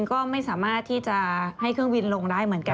ก็ไม่สามารถที่จะให้เครื่องบินลงได้เหมือนกัน